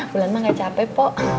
bulan mah gak capek pok